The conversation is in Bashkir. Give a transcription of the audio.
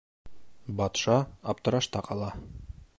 Батша аптырашта ҡала.